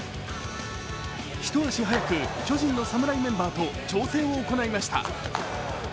ひと足早く、巨人の侍メンバーと調整を行いました。